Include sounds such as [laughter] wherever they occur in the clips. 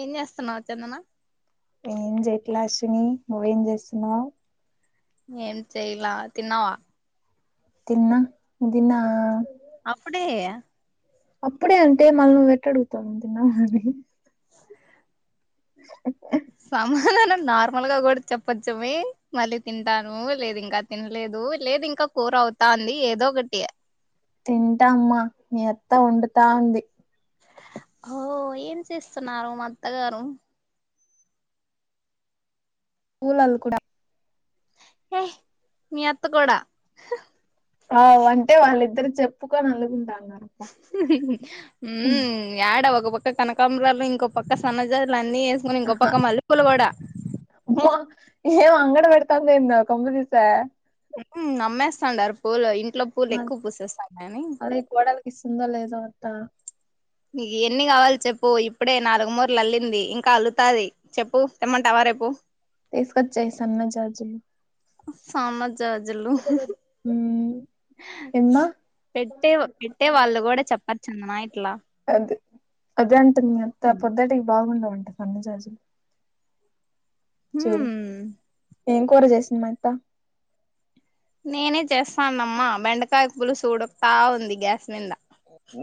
ఏం చేస్తున్నావు చందనా ఏం చేయట్లా అశ్విని నువ్వేం చేస్తున్నావ్ ఏం చేయలా తిన్నావా తిన్నా నువ్వు తిన్నావా అప్పుడే. అప్పుడే అంటే మళ్ళ నువ్వు ఎట్టడుగుతావు తిన్నావా అని అ సమాధానం నార్మల్గా కూడా చెప్పచ్చుమి మళ్ళీ తింటాను లేదు ఇంకా తినలే లేదు లేదు ఇంకా కూర అవుతాంది ఏదో ఒకటి తింటామ్మా మీ అత్త వండుతా ఉంది ఓ ఏం చేస్తున్నారు మా అత్తగారు పూలు అల్లు కూడా హే మీ అత్తకూడా ఆ వంటే వాళ్ళిద్దరు చెప్పుకోని వండుకుంటర్లు ఉమ్ యాడా ఒక పక్క కనకంబరాలు ఇంకో పక్క సన్న జాజు అన్నీ ఏసుకుని ఇంకొక పక్క మల్లె పూలు కూడా అమ్మో ఏం అంగడ పెడతాంద ఏంది కొంప దీసి ఉ ఉమ్ అమ్మేస్తాండారు పూలు ఇంట్లో పూలు మరీ ఎక్కువ పూసేస్తాండాయని అదే కోడలికి ఇస్తుందో లేదో అత్త నీకు ఎన్ని కావాలి చెప్పు ఇప్పుడే నాలుగు మూర్లు అల్లింది ఇంకా అల్లుతాది చెప్పు తెమ్మంటావా రేపు తీసుకొచ్చేయ్ సన్న జాజులు సన్నజాజులు మ్మ్ ఏమ్మా పెట్టే పెట్టే వాళ్ళు కూడా చెప్పరు చందనా ఇట్లా అది అదే అంటుంది మీ అత్త పొద్ద్దటికి బాగుండవుంట సన్నజాజులు హుమ్ ఏం కూర చేసింది మా అత్త నేనే చేస్తానమ్మా బెండకాయ పులుసు ఉడకతా ఉంది గ్యాస్ మీద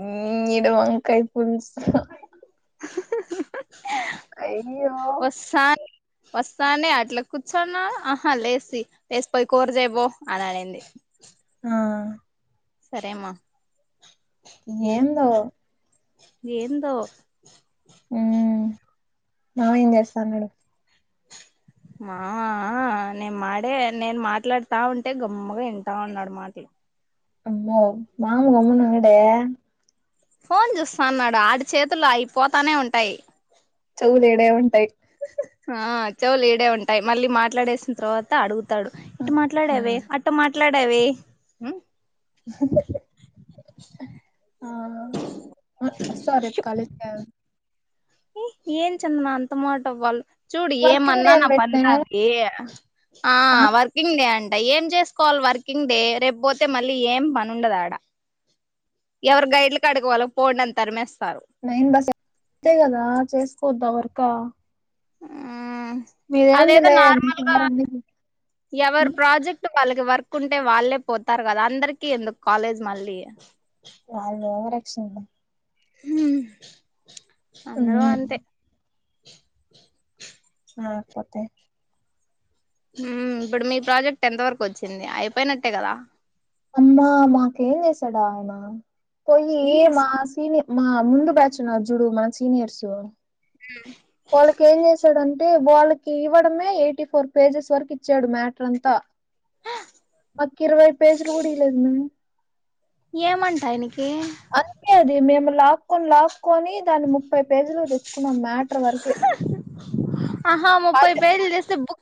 ఉమ్ ఈడ వంకాయ్ పులుసు అయ్యో వస్తాన్ వస్తానే అట్లా కూర్చున్న ఆహా లేసి లేసిపోయి కూర చేయపో అని అనింది ఆ సరే మా ఏందో ఏందో ఉమ్ మామేం చేస్తాన్నాడు మావా నేను మాడే నేను మాట్లాడుతా ఉంటే గమ్మగా వింటా ఉన్నాడు మాటలు అమ్మో మామ గమ్మున ఉండడే ఫోన్ చూస్తా అన్నాడు ఆడి చేతులు అయిపోతానే ఉంటాయి చెవులు ఈడే ఉంటాయి ఆ చెవులు ఈడే ఉంటాయి మళ్ళీ మాట్లాడేసిన తర్వాత అడుగుత తాడు ఇట్ట మాట్లాడేవే ఉమ్ అట్ట మాట్లాడేవే ఆ వస్తావా ష్ రేపు కాలేజ్ కి ఏం చందన అంత మాట అవ్వాళ్ళు చూడు వర్కింగ్ డే ఏమన్నా అని నా పనులు పెట్టినా అవి ఆ వర్కింగ్ డే అం ట ఏం చేసుకోవాలి వర్కింగ్ డే రేపు పోతే మళ్ళీ ఏం పనుండదు ఆడ ఎవరు గైడ్లకి ఆడుకోవాల పోండి అని తరిమేస్తారు నైన్ బస్ అంతే కదా చేసుకోద్దా వర్కా హ్మ్ అదేదో మీ నార్మల్గా సార్ అన్ని ఎవరి ప్రాజెక్ట్ వాళ్ళకి వర్క్ ఉంటే వాళ్ళే పోతారు కదా అందరికిీ ఎందుకు కాలేజ్ మళ్ళీ వాళ్ళు ఓవర్ యాక్షన్ లే హ్మ్ అందరూ ఉమ్ అంతే ఆపోతే హ్మ్ ఇప్పుడు మీ ప్రాజెక్ట్ ఎంత వరకు వచ్చింది అయిపోయినట్టే కదా అమ్మా మాకు ఏం చేసాడాయన పొయ్యి ఏం చేస్ మా సీనియర్ మా ముందు బ్యాచ్ ఉన్నారు చూడు మా సీనియర్స్ వాళ్ళకి ఏం చేశాడు అని అంటే వాళ్ళకి ఇవ్వడమే ఎయిటీ ఫోర్ పేజెస్ వరకు ఇచ్చాడు మ్యాటర్ అంతా ఒక్క ఇరవై పేజలు కూడా ఈయలేదుమె ఏమంట ఆయనికి అంతే అది మేము లాక్కొని లాక్కొని దాన్ని ముక్ ముప్పై పేజీలకు తెచ్చుకున్నాం మ్యాటర్ వరకే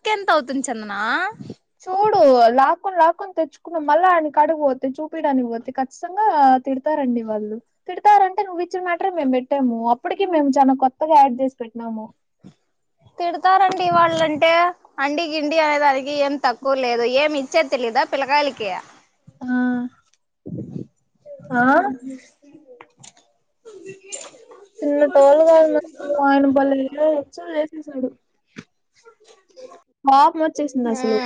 ఇంకెంత అవుతుంది చందన లాక్కుని లాక్కుని తెచ్చుకున్నాం మళ్ళా ఆయన కాడకి పోతే చూపీడానికి పోతే ఖచ్చితంగా తిడతారండి వాళ్ళు తిడతారంటే నువ్వు ఇచ్చిన మేటరే మేము పెట్టాము అప్పటికీ మేము చాలా కొత్తగా యాడ్ చేసి పెట్టినాము అ తిడతారండి వాళ్ళంటే అండి గిండి అనే దానికి ఏం తక్కువ లేదు ఏమి ఇచ్చేది తెలిదు ఉందా పిల్లకాయలకి ఆ ఆ అ చిన్న టోలుగాారు ఆయన భలే ఏ హెచ్చులు చేసేసాడు కోపమొచ్చేసిందసలు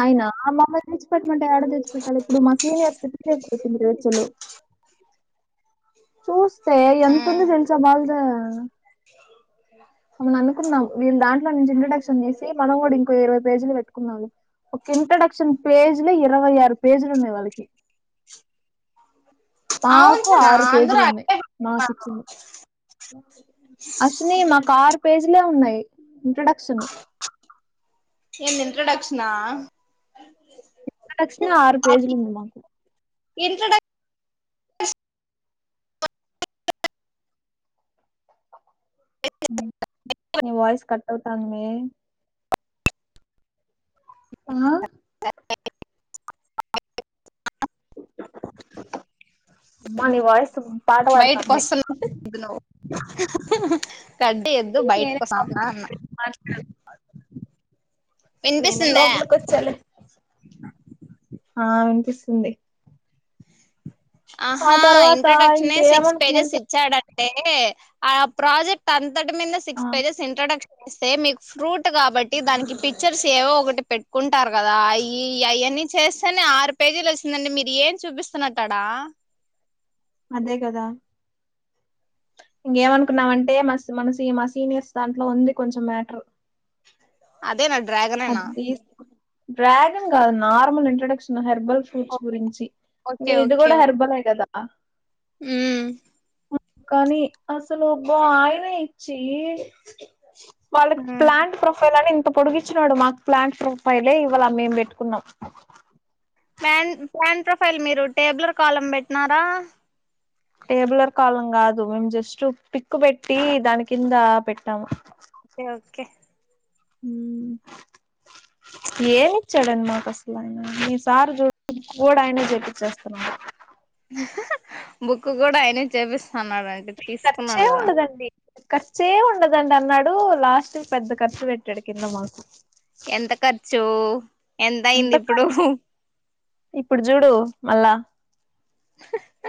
ఆయనా మమ్మల్ని తెచ్చిపెట్టమంటే ఏడ తెచ్చిపెట్టాలి ఇప్పుడు మా సీనియర్స్పోతుంది హెచ్చులు చూస్తే ఎంత ఉంది తెలుసా వాళ్ళదే అప్పుడు అనుకున్నాం వీళ్ళ దాంట్లో నుంచి ఇంట్రడక్షన్ చేసి మనం కూడా ఇంకో ఇరవై పేజీలు పెట్టుకుందాంలే ఒక్క ఇంట్రడక్షన్ పేజ్ లే ఇరవై ఆరు పేజీలు ఉన్నాయి వాళ్ళకి ప్చ్ మాకు ఆరు పేజీలు ఉన్నాయి మాకు ఇచ్చినై అశ్ని మాకు ఆరు పేజీ నీవే ఉన్నాయి ఇంట్రడక్షన్ నా ఇంట్రడక్షనే ఆరు పేజీలుంది మాకు ఇంట్రడ నీ వాయిస్ కట్ అవుతాంది ఆ అబ్బ నీ వాయిస్ పాట బయటకు పాడుతాంది వస్తున్నా నువ్వు గడ్డి ఎద్దు నేనే బయటకిస్తాందా అన్న మాట్లాడు నేనే వినిపిస్తుందా లోపలికి వచ్చాలే ఆ వినిపిస్తుంది ఆ ఆహా తర్వాత ఇంట్రడక్షన్ సిక్స్ పేజెస్ ఇంకేమనుకున్నాను చెప్ ఇచ్చాడ అంటే ఆ ప్రాజెక్ట్ అంతటి మీద ఆ సిక్స్ పేజెస్ ఇంట్రడక్షన్ ఇస్తే మీకు ఫ్రూట్ కాబట్టి దానికి పిక్చర్స్ ఏవో ఒకటి పెట్టుకుంటారు కదా అయ్యి ఇయ్ అని అన్ని చేస్తేనే ఆరు పేజీలు వచ్చిందండి మీరు ఏం చూపిస్తున్న అంటాడా అదే కదా ఇంకేమనుకున్నామంటే మ మన మా సీనియర్స్ దాంట్లో ఉంది కొంచెం మ్యాటరు అదే న అది డ్రాగన్ కాదు నార్మల్ ఇంట్రొడక్షన్ హె హెర్బల్ ఫ్రూట్స్ ఓకే గురించి ఇది కూడా హెర్బలే కదా హ్మ్ కానీ అసలు బా ఆయనే ఇచ్చి వాళ్ళకి ప్లాంట్ ప్రొఫైల్ అని ఇంత పొడిగు వచ్చడు మాకు ప్లాట్ ఫ ఫైలే ఇవాళ మేం పెట్టుకున్నాం ప్యాన్ ప్యాన్ ప్రొఫైల్ మీరు టేబులర్ కాలం పెట్టినారా టేబులర్ కాలం కాదు మేము జస్ట్ పిక్ పెట్టి దాని కింద పెట్టాము ఓకే ఓకే హ్మ్ ఏమిచ్చాడని మాకు అసలు ఆయన న సార్ చూ కూడా ఆయన చెప్పించేస్తానరు బుక్ కూడా ఆయన చేపిస్తాండంట ఖర్చే తీసుకున్నాడు కదా ఉండదండి ఖర్చే ఉండదండి అన్నాడు లాస్ట్ పెద్ద ఖర్చు పెట్టాడు కింద మాకు ఎంత ఖర్చు ఎంత అయింది ఇప్పుడు ఖర్చ ఇప్పుడు చూడు అలా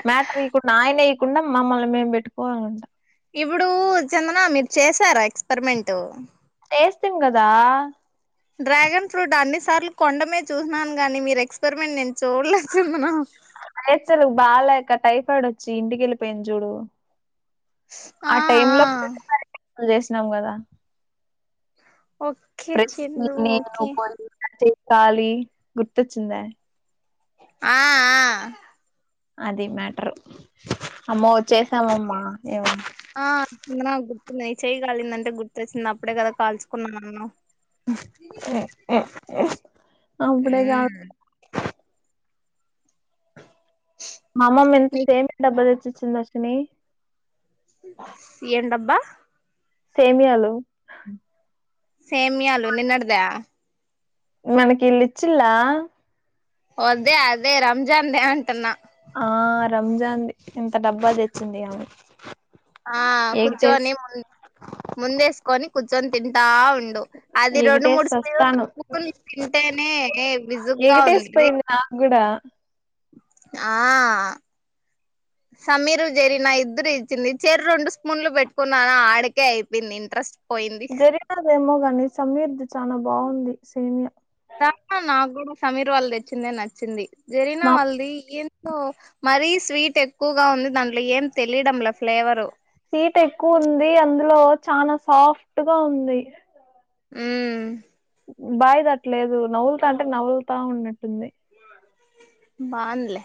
మ్యాటర్ ఇయకుండా ఆయన ఇయకుండా మమ్మల్ని మేం పెట్టుకోవాలంట ఇప్పుడు చందనా మీరు చేసారా ఎక్స్పెరిమెంట్ వేస్తిమ్ కదా డ్రాగన్ ఫ్రూట్ అన్నిసార్లు కొండమీద చూసినాను గాని మీరు ఎక్స్పరిమెంట్ నేను చూడలేదు చందనా లు బాలేక టైఫాయిడ్ వచ్చి ఇంటికి వెళ్ళిపోయింది చూడు ఆ ఆ చేసినం కదా ఓకే ప్ర చందు నేను ఓకే పోయి కాలి గుర్తొచ్చిందా ఆ ఆ అది మ్యాటరు అమ్మో చేసాం అమ్మ ఓకే ఏమం నేను చేయగలిందంటే గుర్తొచ్చింది అప్పుడే కదా కాల్చుకున్నానన్నావ్ అప్పుడే కా ఉమ్ మా అమ్మమ్మ ఎంత నీక్ సేమ్ డబ్బా తెచ్చిచ్చిం దర్శని ఏం డబ్బా సేమీయాలు సెమియాలు నిన్నటిదా మనకి ఇల్ ఇచ్చిలా వదే అదే రంజాన్దే అంటన్నా ఆ రంజాన్ది ఇంత డబ్బా తెచ్చింది ఆమే ఆ కుచొని ము ముందేస్కని కురుచోని తింటా రెండు అది రెండు ఎగిటేసి మూడు సైలు సస్తాను తింటేనే బిజుగ్గా ఉంది ఎగిటేసిపోయింది నాకు కూడా ఆ సమీరు జరినా ఇద్దరు ఇచ్చింది చెర రెండు స్పూన్లు పెట్టుకున్నాను ఆడకే అయిపోయింది ఇంట్రెస్ట్ పోయింది జరినదేమో గాని సమీర్ ది చాలా బాగుంది సేమీయ నాకు కూడా సమీర్ వాళ్ళు తెచ్చిందే నచ్చింది జరినా మా వాళ్ళది ఏం టో మరీ స్వీట్ ఎక్కువగా ఉంది దాంట్లో ఏం తెలియడంలా ఫ్లేవరు సీట్ ఎక్కువ ఉంది అందులో చనా సాఫ్ట్గా ఉంది ఉమ్ బాయి దట్టలేదు నవ్లుతా అంటే నవ్లుతా ఉన్నట్టుంది బాన్లే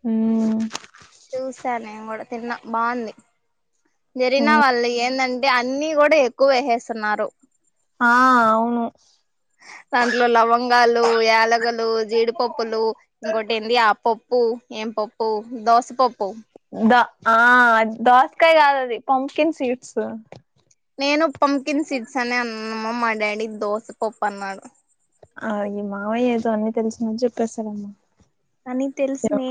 హ్మ్ చూసా నేను కూడా తిన్నా బాగుంది జరిన హ్మ్ వాళ్ళు ఏందంటే అంటే అన్ని కూడా ఎక్కువ వేసేస్తున్నారు ఆ అవును ఆ దాంట్లో లవంగాలు యాలగలు జీడిపప్పులు ఇంకోటి ఏంది ఆప్పప్పు ఏం పప్పు దోస ప ద ఆ దోసకాయ గాదది పంప్కిన్ సీడ్స్ నేను పంకిన్ సిడ్స్ అనే అన్నామ్మా మా డాడీ దోసపప్పు అన్నాడు ఆ ఈ మావయ్య ఏదో అన్న తెలిసినట్లు జెప్పేస్తాడమ్మా అని తెలుసు మీ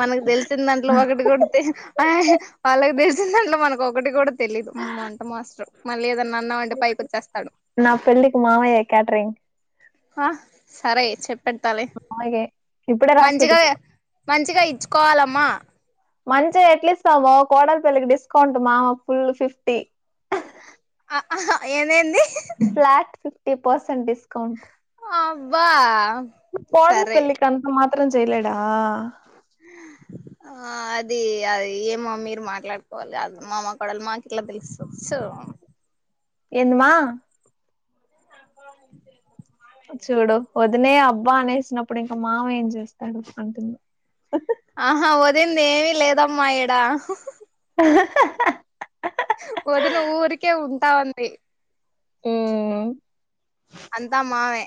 మనకు దెలిసిన దాంట్లో ఒకటి గూడ తెలియదు ఆహా వాళ్ళకి దెలిసిన దాంట్లో మనకు ఒకటి గూడా తెలీదు అమొంట మాస్టర్ మళ్ళీ ఏదన్నా అన్నామంటే పైకి వచ్చేస్తాడు నా పెళ్ళికి మావయ్యే క్యాటరింగ్ ఆ సరే చెప్పెట్టాలి మావయ్యే ఇప్పుడే రాసి మంచిగా పెట్టుకో. మంచిగా ఇ ఇచ్చుకోవాలమ్మా మంచిగా ఎట్లీస్తవ్ బావ కోడలిపిల్లకి డిస్కౌంట్ మామ ఫుల్ ఫిఫ్టీ అ ఆహా ఏమైంది ఫ్లాట్ ఫిఫ్టీ పర్సెంట్ డిస్కౌంట్ అబ్బా కోడలి సరే పిల్లకంత మాత్రం జేయలేడా హ [inaudible] ఆ అది అది ఏమో మీరు మాట్లాడుకోవాలి అది మామ కొడల్ మాకు ఎట్లా దెలుసు సో ఆ [inaudible] ఏంది మా అ [inaudible] చూడు వదినే అబ్బా అనేసినప్పుడు ఇంక మామ ఏం జేస్తాడు అంటుంది అ [inaudible] ఆహా వదినది ఏదీ లేదమ్మా ఈడ ఆ [unintelligible] వదిన ఊరికే ఉంటా ఉంది ఉమ్ అంతా మావే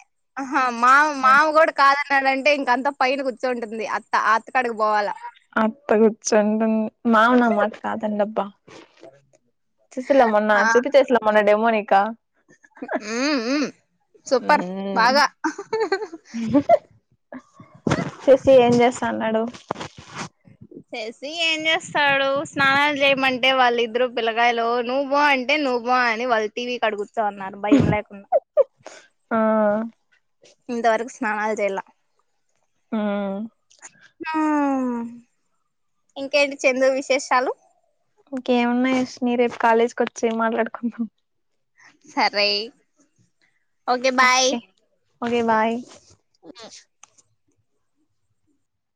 మావ మావగూడు కాద దంటే ఇంకంత పైన కూర్చంటుంది అత్త అత్త కాడకి బోవాలా అత్త కూర్చంటుంది మావ నా మాట కాదనడబ్బా చూసిల్లా మొన్నా చూపి చేసిన మొన్న డెమోని ఉమ్ ఉమ్ సూపర్ బాగా చూసి ఏం జేస్తా అన్నాడు చేసి ఏం చేస్తాడు స్నానాలు జేయమంటే వాళ్ళిద్దరు పిల్లకాయలు నువ్వు బో అంటే నువ్వు బో అని వాళ్ళు టీవీ కాడ గూర్చో ఉన్నారు భయం లేకుండా ఆ ఇంతవరకు స్నానాలు చేయలే ఆ ఇంకేంటి చందు విశేషాలు ఇంకేమున్నాయ్ మీ రేపు కాలేజ్కి వచ్చేయ్ మాట్లాడుకుందాం సరే ఓకే బాయ్ ఓకే బాయ్